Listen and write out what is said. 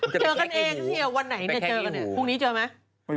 เจอกันเองเละเวลาไหนก็เจอกัน